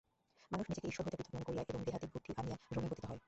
মানুষ নিজেকে ঈশ্বর হইতে পৃথক মনে করিয়া এবং দেহাত্মবুদ্ধি আনিয়া ভ্রমে পতিত হয়।